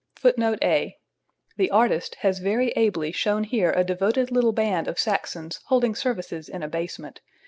[A] [Footnote A: The artist has very ably shown here a devoted little band of Saxons holding services in a basement.